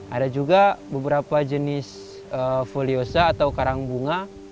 ada juga beberapa jenis foliosa atau karang bunga